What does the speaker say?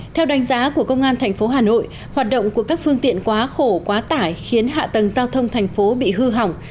theo đánh giá của công an tp hà nội hoạt động của các phương tiện quá khổ quá tải khiến hạ tầng giao thông thành phố bị hư hỏng